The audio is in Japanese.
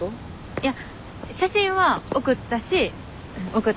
いや写真は送ったし送ってもらったよ。